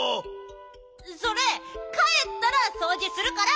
それかえったらそうじするから！